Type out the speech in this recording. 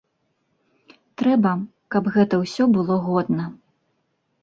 Трэба, каб гэта ўсё было годна.